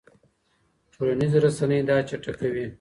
ټولنیزې رسنۍ دا چټکوي.